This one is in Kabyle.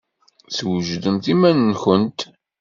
Swejdemt iman-nwent!